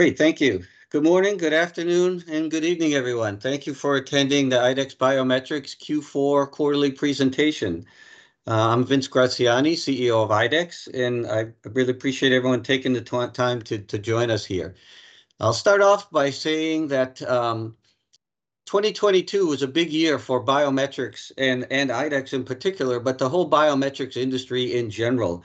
Great. Thank you. Good morning, good afternoon, and good evening everyone. Thank you for attending the IDEX Biometrics Q4 quarterly presentation. I'm Vince Graziani, CEO of IDEX, and I really appreciate everyone taking the time to join us here. I'll start off by saying that 2022 was a big year for biometrics and IDEX in particular, but the whole biometrics industry in general.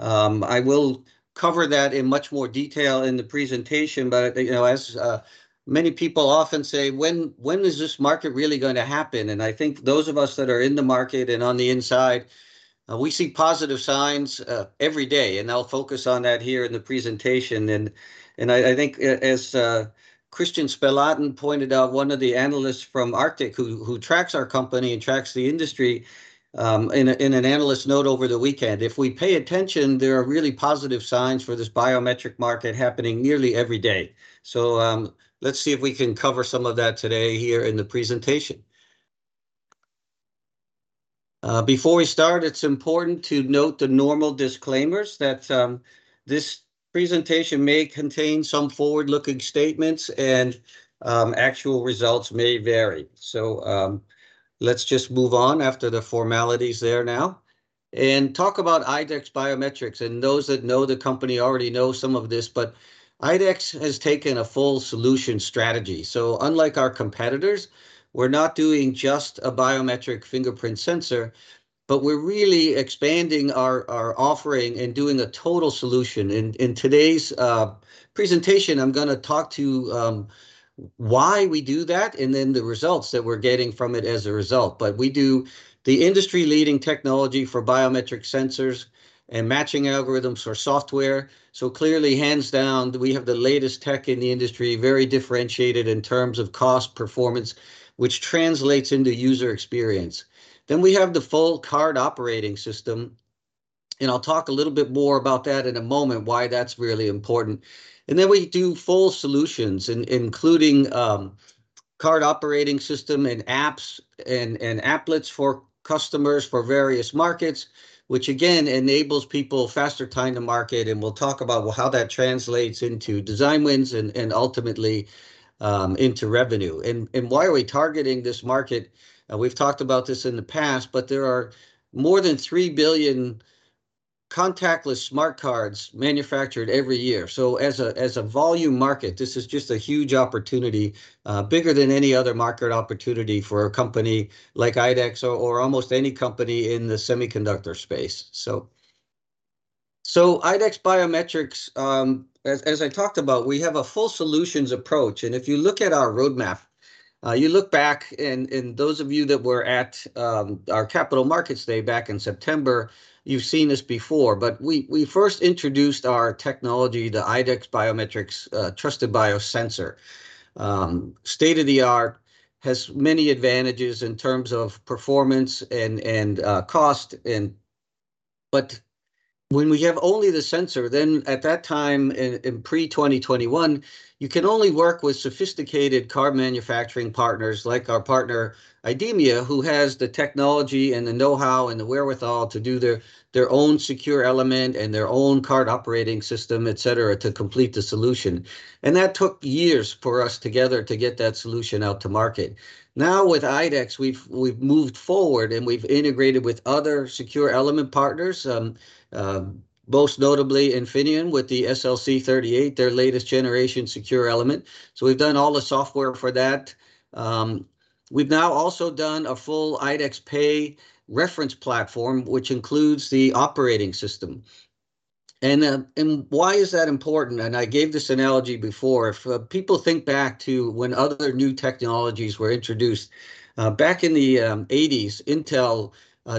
I will cover that in much more detail in the presentation, but, you know, as many people often say, "When is this market really gonna happen?" I think those of us that are in the market and on the inside, we see positive signs every day, and I'll focus on that here in the presentation. I think as Kristian Spetalen pointed out, one of the analysts from Arctic who tracks our company and tracks the industry, in an analyst note over the weekend, if we pay attention, there are really positive signs for this biometric market happening nearly every day. Let's see if we can cover some of that today here in the presentation. Before we start, it's important to note the normal disclaimers that this presentation may contain some forward-looking statements, and actual results may vary. Let's just move on after the formalities there now and talk about IDEX Biometrics. Those that know the company already know some of this, but IDEX has taken a full solution strategy. Unlike our competitors, we're not doing just a biometric fingerprint sensor, but we're really expanding our offering and doing a total solution. In today's presentation, I'm gonna talk to why we do that, the results that we're getting from it as a result. We do the industry-leading technology for biometric sensors and matching algorithms for software, clearly hands down we have the latest tech in the industry, very differentiated in terms of cost, performance, which translates into user experience. We have the full card operating system, I'll talk a little bit more about that in a moment, why that's really important. We do full solutions including card operating system and apps and applets for customers for various markets, which again enables people faster time to market, and we'll talk about how that translates into design wins and ultimately into revenue. Why are we targeting this market? We've talked about this in the past, but there are more than 3 billion contactless smart cards manufactured every year. As a volume market, this is just a huge opportunity, bigger than any other market opportunity for a company like IDEX or almost any company in the semiconductor space. IDEX Biometrics, as I talked about, we have a full solutions approach, and if you look at our roadmap, you look back and those of you that were at our Capital Markets Day back in September, you've seen this before. We first introduced our technology, the IDEX Biometrics Trusted Biosensor. State-of-the-art, has many advantages in terms of performance and cost. When we have only the sensor, then at that time in pre-2021, you can only work with sophisticated card manufacturing partners like our partner IDEMIA, who has the technology and the know-how and the wherewithal to do their own secure element and their own card operating system, et cetera, to complete the solution. That took years for us together to get that solution out to market. Now with IDEX, we've moved forward, we've integrated with other secure element partners, most notably Infineon with the SLC38, their latest generation secure element. We've done all the software for that. We've now also done a full IDEX Pay reference platform, which includes the operating system. Why is that important? I gave this analogy before. If people think back to when other new technologies were introduced, back in the '80s, Intel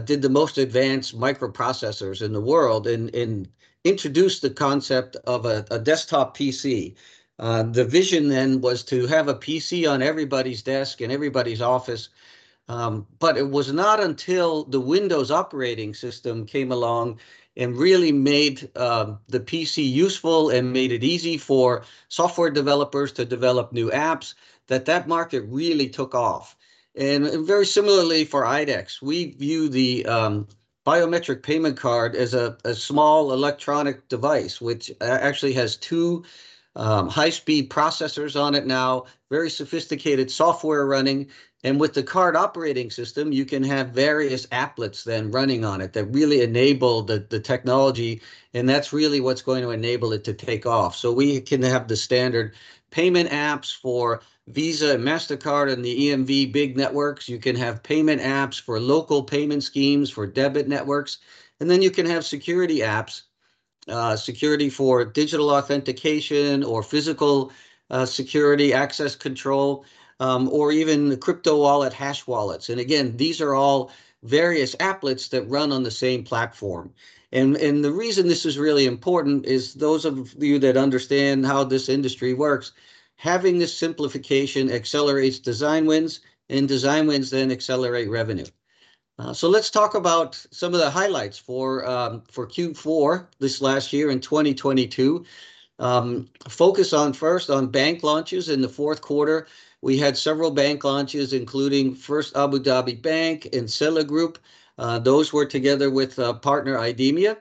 did the most advanced microprocessors in the world and introduced the concept of a desktop PC. The vision then was to have a PC on everybody's desk, in everybody's office. It was not until the Windows operating system came along and really made the PC useful and made it easy for software developers to develop new apps that that market really took off. Very similarly for IDEX, we view the biometric payment card as a small electronic device which actually has two high-speed processors on it now, very sophisticated software running. With the card operating system, you can have various applets then running on it that really enable the technology, and that's really what's going to enable it to take off. We can have the standard payment apps for Visa and Mastercard and the EMV big networks. You can have payment apps for local payment schemes, for debit networks, and then you can have security apps, security for digital authentication or physical security, access control, or even crypto wallet, Hash Wallets. Again, these are all various applets that run on the same platform. The reason this is really important is those of you that understand how this industry works, having this simplification accelerates design wins, and design wins then accelerate revenue. Let's talk about some of the highlights for Q4 this last year in 2022. Focus on first on bank launches in the fourth quarter. We had several bank launches, including First Abu Dhabi Bank and Sella Group. Those were together with partner IDEMIA.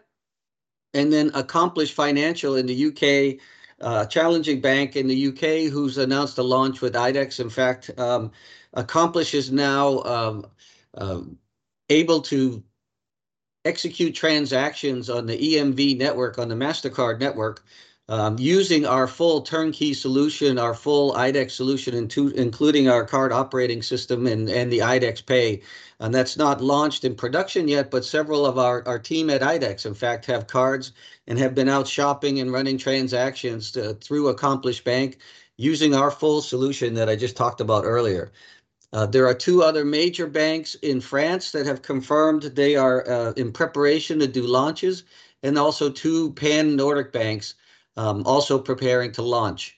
Then Accomplish Financial in the U.K., a challenging bank in the U.K. who's announced a launch with IDEX. In fact, Accomplish is now able to execute transactions on the EMV network, on the Mastercard network, using our full turnkey solution, our full IDEX solution including our card operating system and the IDEX Pay. That's not launched in production yet, but several of our team at IDEX in fact have cards and have been out shopping and running transactions to, through Accomplish Bank using our full solution that I just talked about earlier. There are 2 other major banks in France that have confirmed they are in preparation to do launches and also 2 Pan-Nordic banks, also preparing to launch.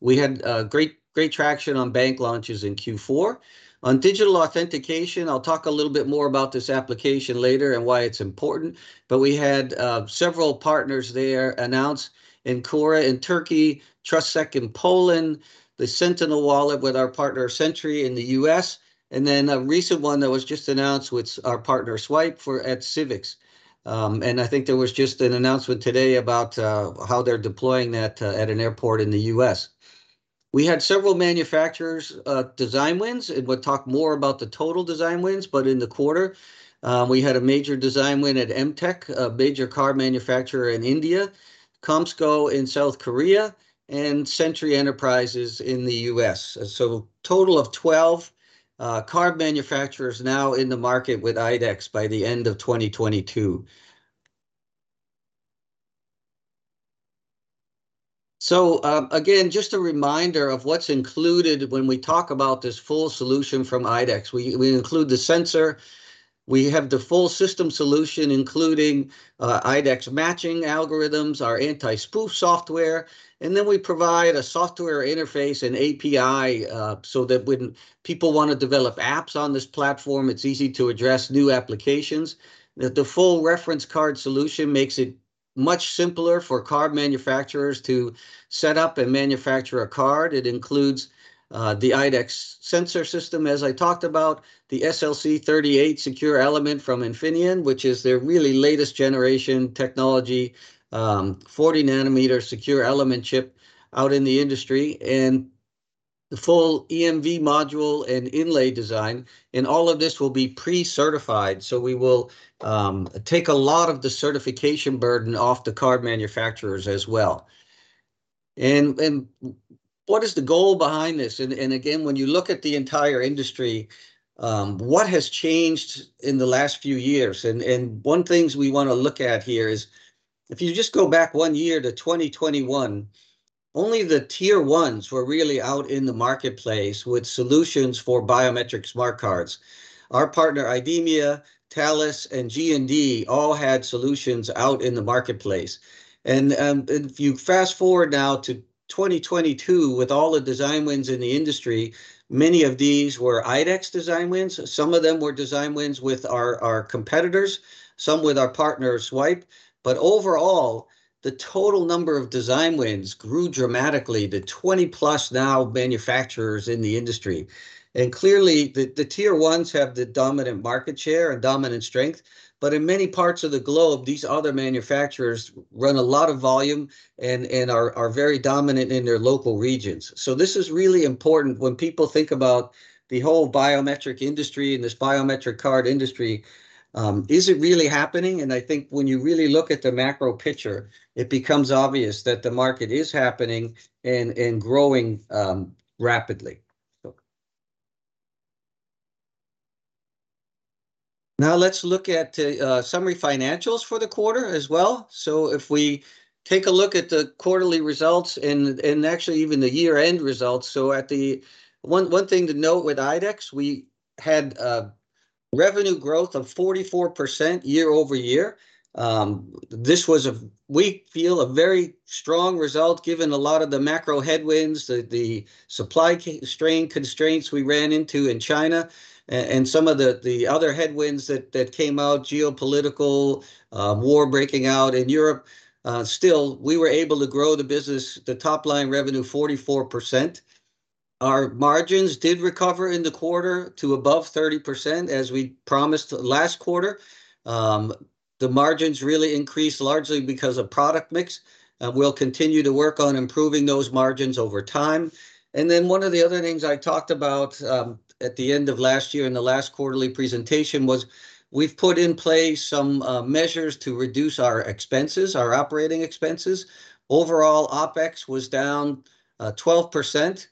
We had great traction on bank launches in Q4. On digital authentication, I'll talk a little bit more about this application later and why it's important. We had several partners there announce, Ancora in Turkey, TrustSEC in Poland, the Sentinel Wallet with our partner Sentry in the U.S., and then a recent one that was just announced with our partner Swipe for, at Civics. I think there was just an announcement today about how they're deploying that at an airport in the U.S. We had several manufacturers design wins, and we'll talk more about the total design wins, but in the quarter, we had a major design win at M-Tech, a major car manufacturer in India, KOMSCO in South Korea, and Sentry Enterprises in the U.S. Total of 12 car manufacturers now in the market with IDEX by the end of 2022. Again, just a reminder of what's included when we talk about this full solution from IDEX. We include the sensor. We have the full system solution, including IDEX matching algorithms, our anti-spoof software, and then we provide a software interface and API, so that when people wanna develop apps on this platform, it's easy to address new applications. The, the full reference card solution makes it much simpler for card manufacturers to set up and manufacture a card. It includes the IDEX sensor system, as I talked about, the SLC38 secure element from Infineon, which is their really latest generation technology, 40-nanometer secure element chip out in the industry, and the full EMV module and inlay design. All of this will be pre-certified, so we will take a lot of the certification burden off the card manufacturers as well. What is the goal behind this? Again, when you look at the entire industry, what has changed in the last few years? One things we wanna look at here is if you just go back 1 year to 2021, only the tier ones were really out in the marketplace with solutions for biometric smart cards. Our partner IDEMIA, Thales, and G&D all had solutions out in the marketplace. If you fast-forward now to 2022 with all the design wins in the industry, many of these were IDEX design wins. Some of them were design wins with our competitors, some with our partner Swipe. Overall, the total number of design wins grew dramatically to 20 plus now manufacturers in the industry. Clearly, the tier ones have the dominant market share and dominant strength, but in many parts of the globe, these other manufacturers run a lot of volume and are very dominant in their local regions. This is really important when people think about the whole biometric industry and this biometric card industry, is it really happening? I think when you really look at the macro picture, it becomes obvious that the market is happening and growing rapidly. Now let's look at summary financials for the quarter as well. If we take a look at the quarterly results and actually even the year-end results, one thing to note with IDEX, we had revenue growth of 44% year-over-year. This was a, we feel, a very strong result given a lot of the macro headwinds, the supply constraints we ran into in China and some of the other headwinds that came out, geopolitical, war breaking out in Europe. Still, we were able to grow the business, the top line revenue 44%. Our margins did recover in the quarter to above 30%, as we promised last quarter. The margins really increased largely because of product mix. We'll continue to work on improving those margins over time. Then one of the other things I talked about at the end of last year in the last quarterly presentation was we've put in place some measures to reduce our expenses, our operating expenses. Overall, OpEx was down 12%.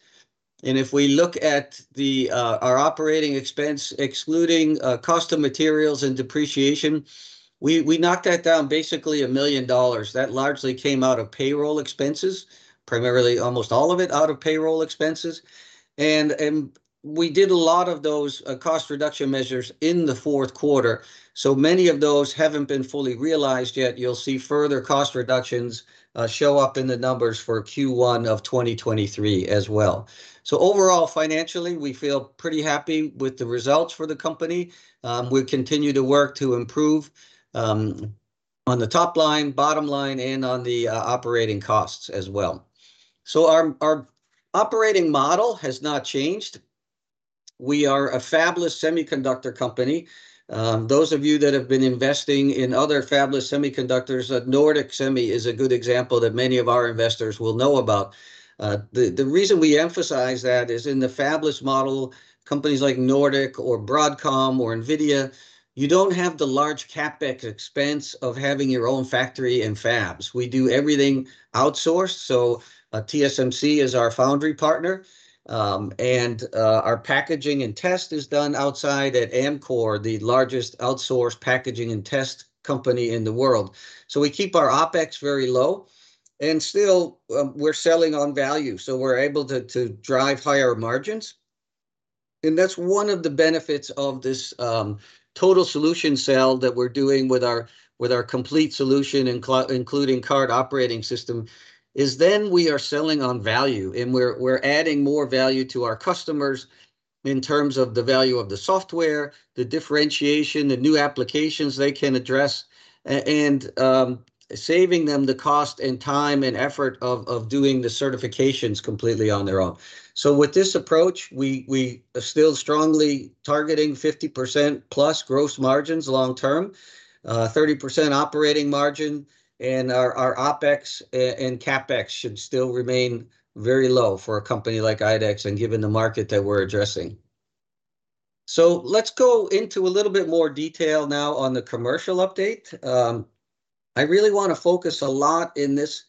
If we look at the our operating expense, excluding cost of materials and depreciation, we knocked that down basically $1 million. That largely came out of payroll expenses, primarily almost all of it out of payroll expenses. We did a lot of those cost reduction measures in the fourth quarter, many of those haven't been fully realized yet. You'll see further cost reductions show up in the numbers for Q1 of 2023 as well. Overall, financially, we feel pretty happy with the results for the company. We continue to work to improve on the top line, bottom line, and on the operating costs as well. Our operating model has not changed. We are a fabless semiconductor company. Those of you that have been investing in other fabless semiconductors, Nordic Semi is a good example that many of our investors will know about. The reason we emphasize that is in the fabless model, companies like Nordic or Broadcom or Nvidia, you don't have the large CapEx expense of having your own factory and fabs. We do everything outsourced, TSMC is our foundry partner, and our packaging and test is done outside at Amkor, the largest outsourced packaging and test company in the world. We keep our OpEx very low, and still, we're selling on value, so we're able to drive higher margins. That's one of the benefits of this total solution sell that we're doing with our complete solution including card operating system, is then we are selling on value, and we're adding more value to our customers in terms of the value of the software, the differentiation, the new applications they can address, and saving them the cost and time and effort of doing the certifications completely on their own. With this approach, we are still strongly targeting 50% plus gross margins long term, 30% operating margin, and our OpEx and CapEx should still remain very low for a company like IDEX and given the market that we're addressing. Let's go into a little bit more detail now on the commercial update. I really wanna focus a lot in this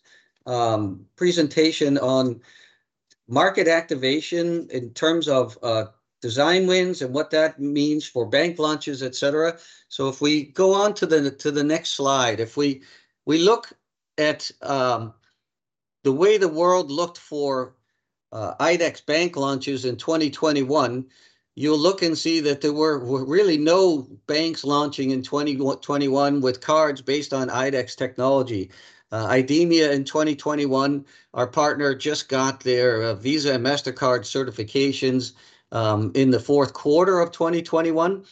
presentation on market activation in terms of design wins and what that means for bank launches, et cetera. If we go on to the next slide, if we look at the way the world looked for IDEX bank launches in 2021, you'll look and see that there were really no banks launching in 2021 with cards based on IDEX technology. IDEMIA in 2021, our partner just got their Visa and Mastercard certifications in the fourth quarter of 2021.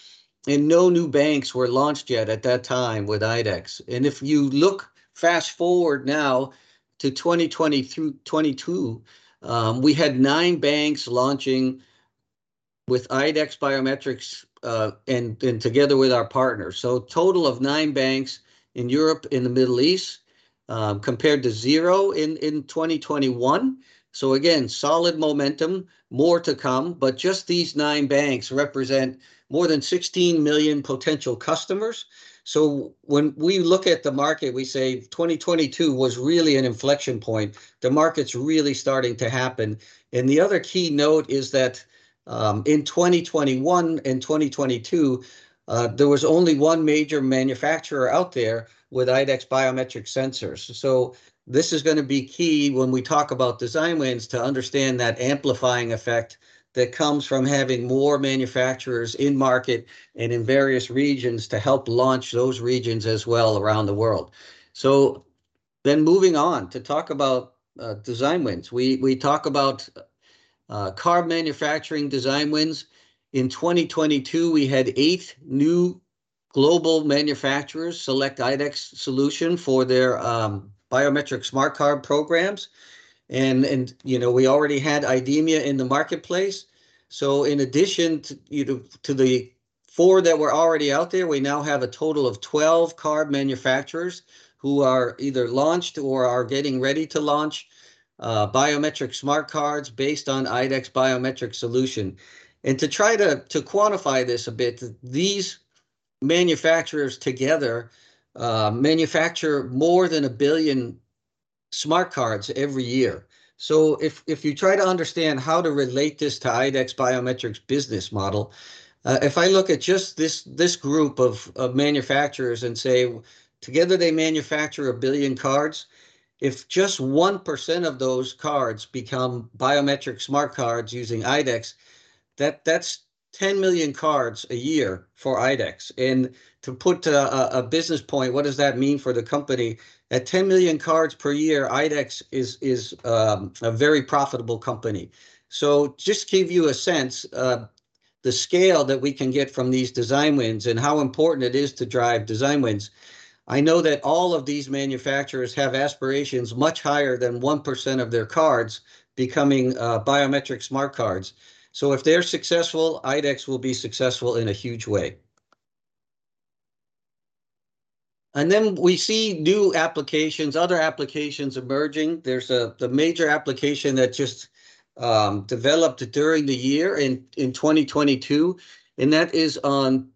No new banks were launched yet at that time with IDEX. If you look fast-forward now to 2020 through 2022, we had nine banks launching with IDEX Biometrics and together with our partners. Total of 9 banks in Europe and the Middle East, compared to 0 in 2021. Again, solid momentum, more to come, but just these 9 banks represent more than 16 million potential customers. When we look at the market, we say 2022 was really an inflection point. The market's really starting to happen. The other key note is that, in 2021 and 2022, there was only 1 major manufacturer out there with IDEX biometric sensors. This is gonna be key when we talk about design wins to understand that amplifying effect that comes from having more manufacturers in market and in various regions to help launch those regions as well around the world. Moving on to talk about design wins. We talk about card manufacturing design wins. In 2022, we had eight new global manufacturers select IDEX solution for their biometric smart card programs, and you know, we already had IDEMIA in the marketplace. In addition to, you know, to the four that were already out there, we now have a total of 12 card manufacturers who are either launched or are getting ready to launch biometric smart cards based on IDEX biometric solution. To try to quantify this a bit, these manufacturers together manufacture more than 1 billion smart cards every year. If, if you try to understand how to relate this to IDEX Biometrics' business model, if I look at just this group of manufacturers and say, together they manufacture 1 billion cards, if just 1% of those cards become biometric smart cards using IDEX, that's 10 million cards a year for IDEX. To put a business point, what does that mean for the company? At 10 million cards per year, IDEX is a very profitable company. Just to give you a sense of the scale that we can get from these design wins and how important it is to drive design wins, I know that all of these manufacturers have aspirations much higher than 1% of their cards becoming biometric smart cards. If they're successful, IDEX will be successful in a huge way. We see new applications, other applications emerging. There's the major application that just developed during the year in 2022, and that is on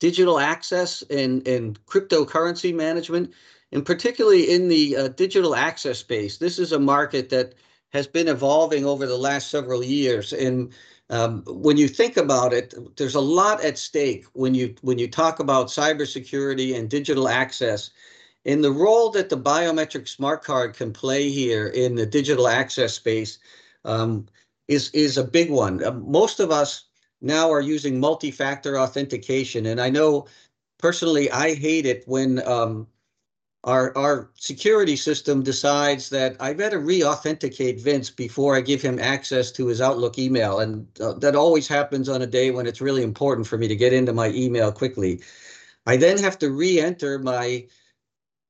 digital access and cryptocurrency management, and particularly in the digital access space. This is a market that has been evolving over the last several years, and when you think about it, there's a lot at stake when you talk about cybersecurity and digital access. The role that the biometric smart card can play here in the digital access space is a big one. Most of us now are using multi-factor authentication, and I know personally, I hate it when our security system decides that I better reauthenticate Vince before I give him access to his Outlook email. That always happens on a day when it's really important for me to get into my email quickly. I then have to reenter my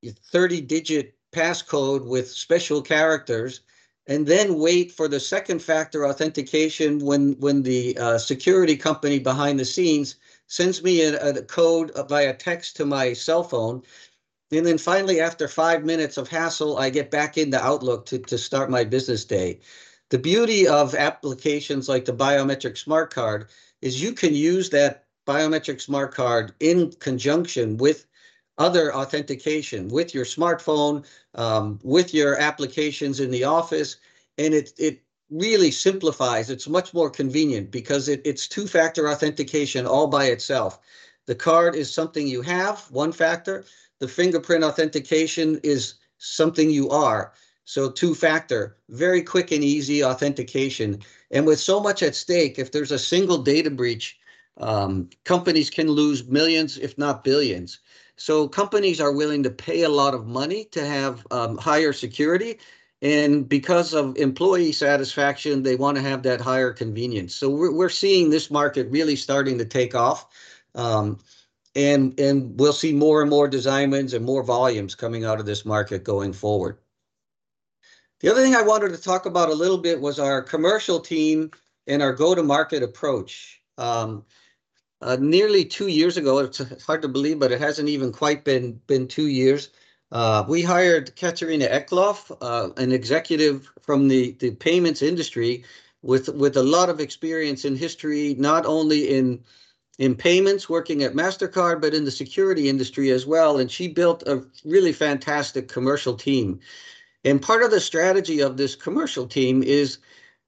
30-digit passcode with special characters, and then wait for the second factor authentication when the security company behind the scenes sends me a code via text to my cellphone. Finally after five minutes of hassle, I get back into Outlook to start my business day. The beauty of applications like the biometric smart card is you can use that biometric smart card in conjunction with other authentication, with your smartphone, with your applications in the office, and it really simplifies. It's much more convenient because it's two-factor authentication all by itself. The card is something you have, one factor. The fingerprint authentication is something you are, so two factor. Very quick and easy authentication. With so much at stake, if there's a single data breach, companies can lose millions if not billions. Companies are willing to pay a lot of money to have higher security. Because of employee satisfaction, they wanna have that higher convenience. We're seeing this market really starting to take off. We'll see more and more design wins and more volumes coming out of this market going forward. The other thing I wanted to talk about a little bit was our commercial team and our go-to-market approach. Nearly 2 years ago, it's hard to believe, but it hasn't even quite been 2 years, we hired Catharina Eklöf, an executive from the payments industry with a lot of experience and history, not only in payments working at Mastercard, but in the security industry as well, and she built a really fantastic commercial team. Part of the strategy of this commercial team is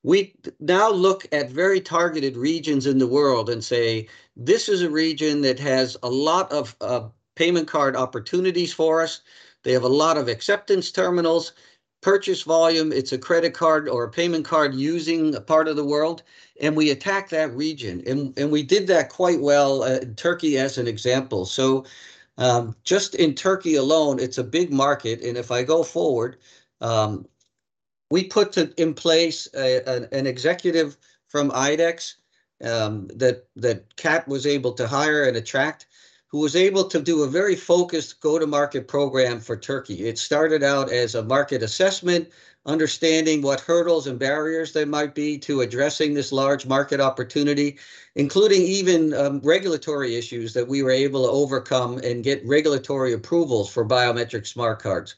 we now look at very targeted regions in the world and say, "This is a region that has a lot of payment card opportunities for us. They have a lot of acceptance terminals, purchase volume. It's a credit card or a payment card using part of the world," and we attack that region. We did that quite well in Turkey as an example. Just in Turkey alone, it's a big market, and if I go forward, we put in place an executive from IDEX that Kat was able to hire and attract, who was able to do a very focused go-to-market program for Turkey. It started out as a market assessment, understanding what hurdles and barriers there might be to addressing this large market opportunity, including even regulatory issues that we were able to overcome and get regulatory approvals for biometric smart cards.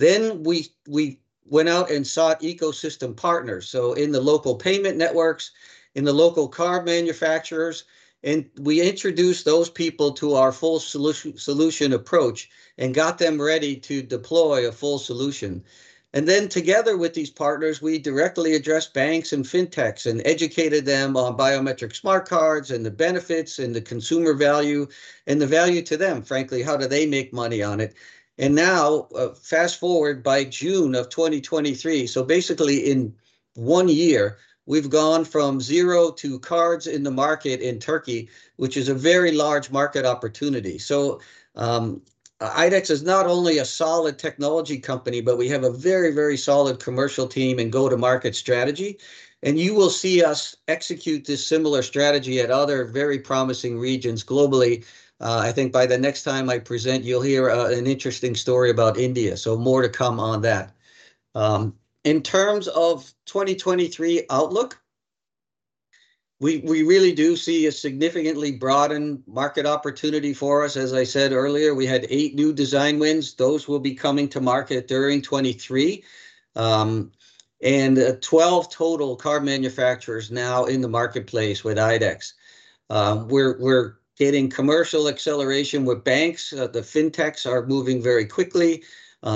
We went out and sought ecosystem partners, so in the local payment networks, in the local card manufacturers, and we introduced those people to our full solution approach and got them ready to deploy a full solution. Together with these partners, we directly addressed banks and fintechs and educated them on biometric smart cards and the benefits and the consumer value and the value to them, frankly, how do they make money on it. Fast-forward by June of 2023, so basically in one year, we've gone from 0 to cards in the market in Turkey, which is a very large market opportunity. IDEX is not only a solid technology company, but we have a very, very solid commercial team and go-to-market strategy. You will see us execute this similar strategy at other very promising regions globally, I think by the next time I present you'll hear an interesting story about India, so more to come on that. In terms of 2023 outlook, we really do see a significantly broadened market opportunity for us. As I said earlier, we had eight new design wins. Those will be coming to market during 2023. 12 total card manufacturers now in the marketplace with IDEX. We're getting commercial acceleration with banks. The fintechs are moving very quickly.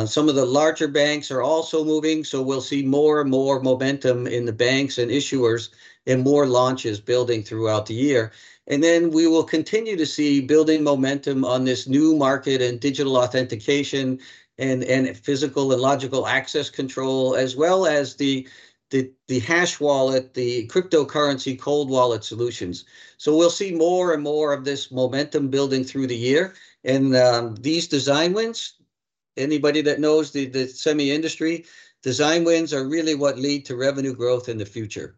Some of the larger banks are also moving, so we'll see more and more momentum in the banks and issuers and more launches building throughout the year. We will continue to see building momentum on this new market and digital authentication and physical and logical access control, as well as the hash wallet, the cryptocurrency cold wallet solutions. We'll see more and more of this momentum building through the year. These design wins, anybody that knows the semi industry, design wins are really what lead to revenue growth in the future.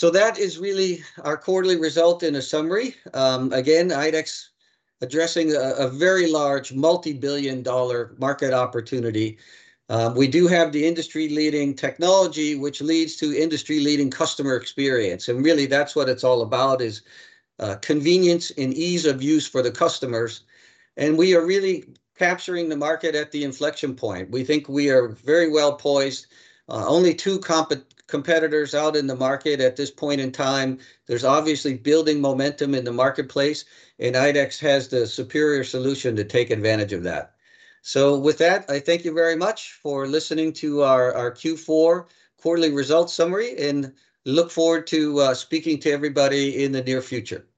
That is really our quarterly result in a summary. Again, IDEX addressing a very large multi-billion dollar market opportunity. We do have the industry-leading technology which leads to industry-leading customer experience, and really that's what it's all about, is convenience and ease of use for the customers. We are really capturing the market at the inflection point. We think we are very well poised. Only two competitors out in the market at this point in time. There's obviously building momentum in the marketplace, and IDEX has the superior solution to take advantage of that. With that, I thank you very much for listening to our Q4 quarterly results summary, and look forward to speaking to everybody in the near future. Thank you.